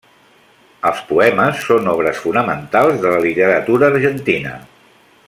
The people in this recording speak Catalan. Els poemes són obres fonamentals de la literatura argentina.